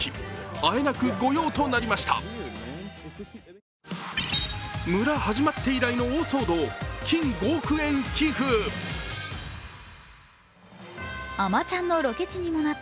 あえなく御用となりました。